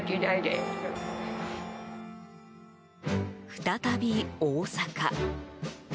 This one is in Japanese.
再び、大阪。